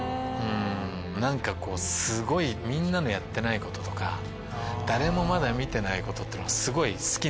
何かすごいみんなのやってないこととか誰もまだ見てないことってすごい好きなんでね。